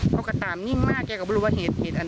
เพราะว่าแม่กัยเป็นปืน